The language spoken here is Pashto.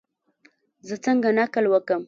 زه څنګه نقل وکم؟